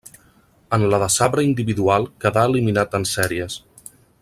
En la de sabre individual quedà eliminat en sèries.